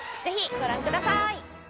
爾ご覧ください！